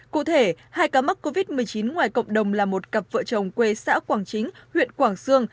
cụ thể hai cá mắc covid một mươi chín ngoài cộng đồng là một cặp vợ chồng quê xã quảng chính huyện quảng sương